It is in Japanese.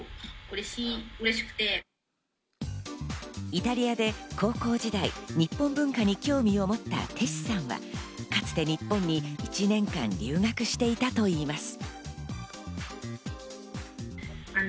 イタリアで高校時代、日本文化に興味を持ったテシさんはかつて日本に１年間留学していたといいます。